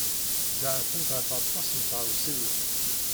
Zeɛfent ɣef aṭas n tɣawsiwin.